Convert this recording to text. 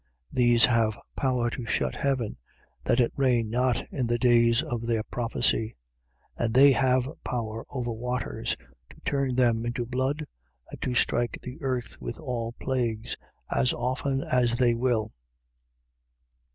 11:6. These have power to shut heaven, that it rain not in the days of their prophecy: And they have power over waters, to turn them into blood and to strike the earth with all plagues, as often as they will.